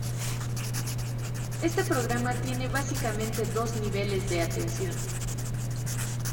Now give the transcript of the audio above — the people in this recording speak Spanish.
Este programa tiene básicamente dos niveles de atención.